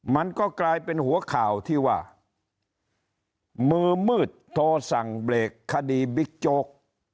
มันก็กลายเป็นหัวข่าวที่ว่ามือมืดโทรสั่งเบรกคดีบิ๊กโจ๊ก